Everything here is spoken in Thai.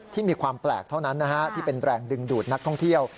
ที่มีความแปลกเท่านั้นนะฮะที่เป็นแรงดึงดูดนักท่องเที่ยว